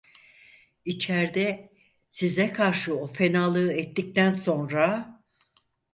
İçerde size karşı o fenalığı ettikten sonra…